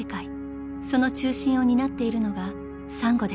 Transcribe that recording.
［その中心を担っているのがサンゴです］